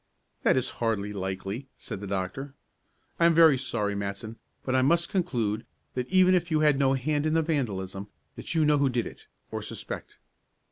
"That is hardly likely," said the doctor. "I am very sorry, Matson, but I must conclude that even if you had no hand in the vandalism, that you know who did it, or suspect."